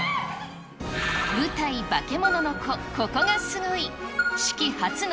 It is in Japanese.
舞台、バケモノの子、ここがすごい。